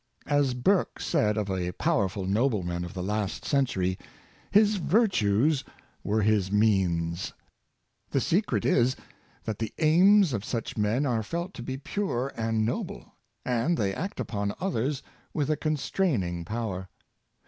As Burke said of a powerful nobleman of the last century, " his virtues were his means." The secret is, that the aims of such men are felt to be pure and noble, and they act upon others with a constraining power.